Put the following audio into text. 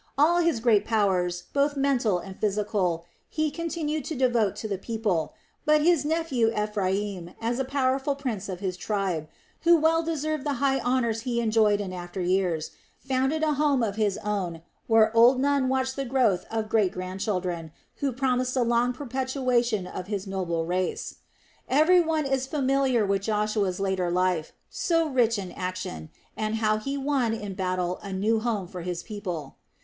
All his great powers, both mental and physical, he continued to devote to the people; but his nephew Ephraim, as a powerful prince of his tribe, who well deserved the high honors he enjoyed in after years, founded a home of his own, where old Nun watched the growth of great grand children, who promised a long perpetuation of his noble race. Everyone is familiar with Joshua's later life, so rich in action, and how he won in battle a new home for his people.